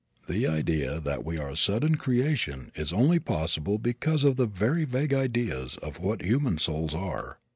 The idea that we are a sudden creation is only possible because of the very vague ideas of what human souls are.